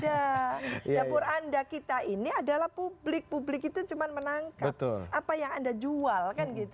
dapur anda kita ini adalah publik publik itu cuma menangkap apa yang anda jual